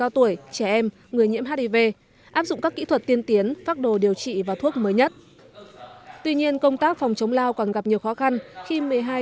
thưa quý vị